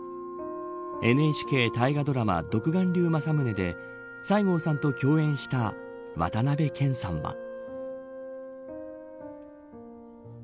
ＮＨＫ大河ドラマ、独眼竜正宗で西郷さんと共演した渡辺謙さんは。